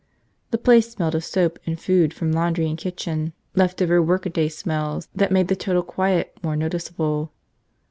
The place smelled of soap and food from laundry and kitchen, leftover workaday smells that made the total quiet more noticeable.